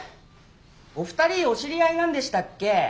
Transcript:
お二人お知り合いなんでしたっけ？